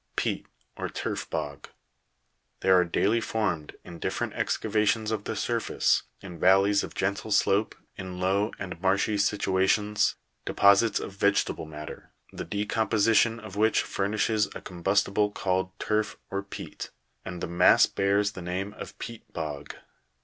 42. Peat, or Turf Bog. There are daily formed, in different excavations of Jihe surface, in valleys of gentle slope, in low and marshy situations, deposits of vegetable matter, the decomposition of which furnishes a combustible called turf or peat, and the mass bears the name of peat bog.